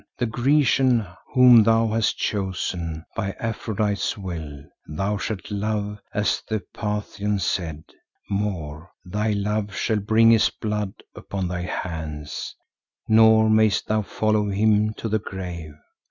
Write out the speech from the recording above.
The Grecian whom thou hast chosen, by Aphrodite's will, thou shalt love as the Pathian said. More, thy love shall bring his blood upon thy hands, nor mayest thou follow him to the grave.